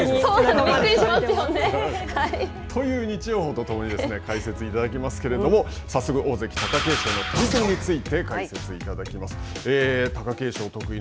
筋肉がばきばきでびっくりしますよね。という日曜鵬とともに、解説いただきますけれども、早速、大関・貴景勝の対戦について、解説いただきます。